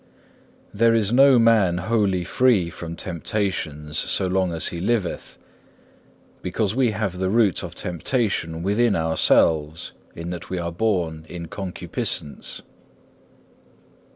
3. There is no man wholly free from temptations so long as he liveth, because we have the root of temptation within ourselves, in that we are born in concupiscence.